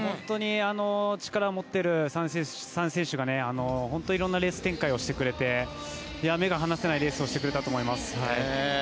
力を持っている３選手が本当にいろんなレース展開をしてくれて目が離せないレースをしてくれたと思います。